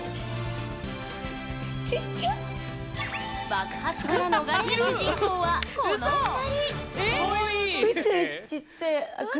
爆発から逃れる主人公はこの２人。